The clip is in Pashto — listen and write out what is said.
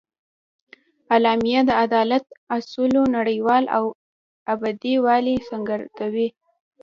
اعلامیه د عدالت اصولو نړیوال او ابدي والي څرګندوي.